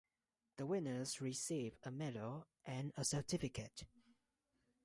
The winners receive a medal and a certificate.